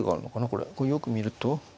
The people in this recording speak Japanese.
これよく見ると。